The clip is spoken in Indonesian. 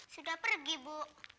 sudah pergi bu